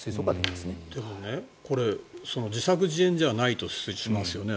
でも自作自演じゃないとしますよね。